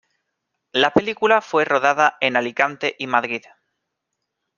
La película fue rodada en Alicante y Madrid.